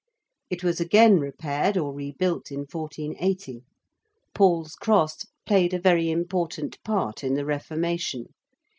It was again repaired or rebuilt in 1480. Paul's Cross played a very important part in the Reformation.